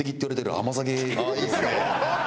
ああいいですね。